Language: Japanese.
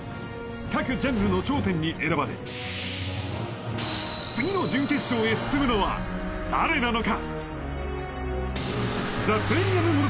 各ジャンルの頂点に選ばれ次の準決勝へ進むのは誰なのか？